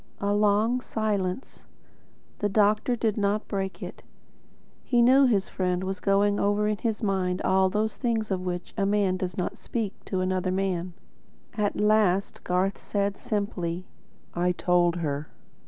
A long silence. The doctor did not break it. He knew his friend was going over in his mind all those things of which a man does not speak to another man. At last Garth said simply, "I told her."